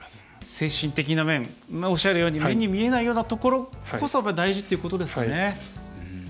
精神的な面おっしゃるように目に見えないようなところこそが大事ということですね。